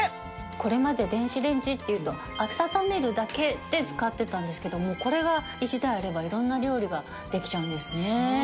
これまで電子レンジっていうと温めるだけで使ってたんですけどもこれが１台あれば色んな料理ができちゃうんですね。